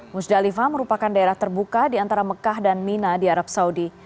musdalifah merupakan daerah terbuka di antara mekah dan mina di arab saudi